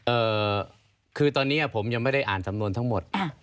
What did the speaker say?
เอ่อคือตอนนี้ผมยังไม่ได้อ่านสำนวนทั้งหมด